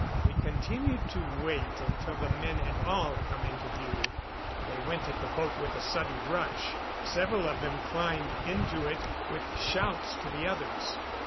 We continued to wait until the men had all come into view. They went at the boat with a sudden rush. Several of them climbed into it, with shouts to the others.